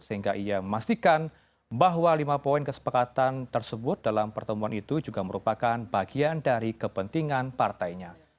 sehingga ia memastikan bahwa lima poin kesepakatan tersebut dalam pertemuan itu juga merupakan bagian dari kepentingan partainya